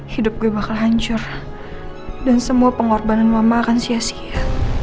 hidup gue bakal hancur dan semua pengorbanan mama akan sia sia